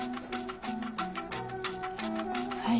はい。